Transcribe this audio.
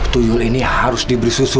tuyul ini harus diberi susu